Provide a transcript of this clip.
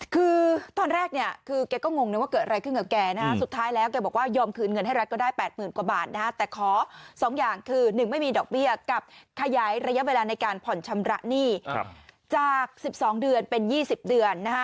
คือตอนแรกเนี่ยคือแกก็งงนะว่าเกิดอะไรขึ้นกับแกนะฮะสุดท้ายแล้วแกบอกว่ายอมคืนเงินให้รัฐก็ได้๘๐๐๐กว่าบาทนะฮะแต่ขอ๒อย่างคือ๑ไม่มีดอกเบี้ยกับขยายระยะเวลาในการผ่อนชำระหนี้จาก๑๒เดือนเป็น๒๐เดือนนะฮะ